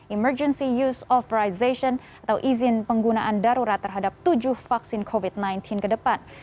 emergency use authorization atau izin penggunaan darurat terhadap tujuh vaksin covid sembilan belas ke depan